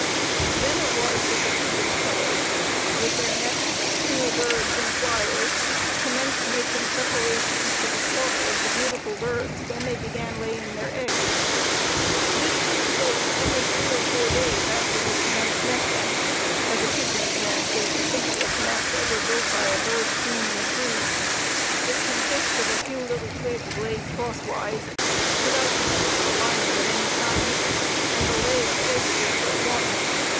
Then it was that the pigeon killers, with their nets, stool birds and flyers commenced making preparations for the slaughter of the beautiful birds when they began laying their eggs. This takes place only three or four days after they commence nesting, as a pigeon's nest is the simplest nest ever built by a bird seen in a tree. It consists of a few little twigs laid crosswise, without moss or lining of any kind, and the lay of eggs is but one.